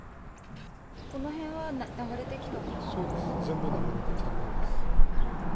この辺は流れてきたものなんそうです、全部流れてきたものです。